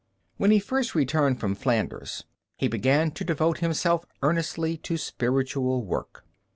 When he first returned from Flanders he began to devote himself earnestly to spiritual work.